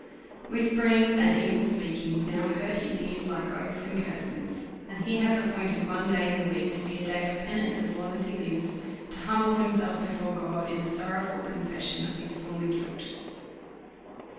Whisper ings and evil speakings now hurt his ears, like oaths and curses ; and he has appointed one day in the week to be a day of penance as long as he lives, to humble himself before God, in the sorrowful confession of his former guilt.